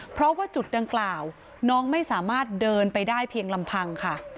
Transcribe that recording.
เพราะว่าจุดดังกล่าวน้องไม่สามารถเดินไปได้เพียงลำพังค่ะ